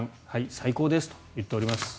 最高ですと言っております。